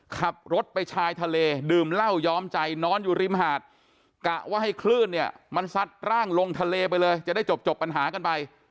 ขับรถไปชายทะเลดื่มเหล้าย้อมใจนอนอยู่ริมหาดกะว่าให้คลื่นเนี่ยมันซัดร่างลงทะเลไปเลยจะได้จบปัญหากันไป